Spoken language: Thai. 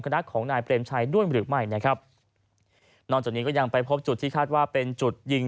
คณะของนายเปรมชัยด้วยหรือไม่นะครับนอกจากนี้ก็ยังไปพบจุดที่คาดว่าเป็นจุดยิง